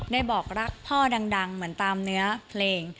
บอกรักพ่อดังเหมือนตามเนื้อเพลง